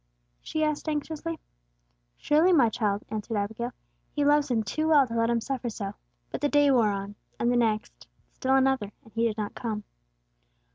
she asked anxiously. "Surely, my child," answered Abigail. "He loves him too well to let him suffer so." But the day wore on, and the next; still another, and He did not come.